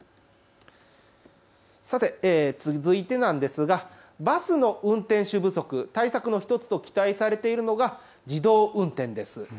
さて続いてなんですが、バスの運転手不足、対策の１つと期待されているのが自動運転です。